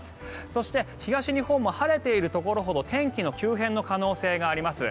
そして東日本も晴れているところほど天気の急変の可能性があります。